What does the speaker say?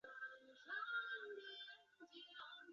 他们被指控代表主席干涉了对林肯机构的监管调查。